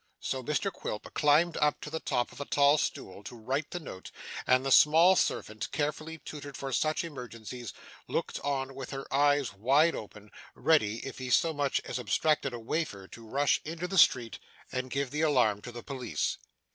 So Mr Quilp climbed up to the top of a tall stool to write the note, and the small servant, carefully tutored for such emergencies, looked on with her eyes wide open, ready, if he so much as abstracted a wafer, to rush into the street and give the alarm to the police.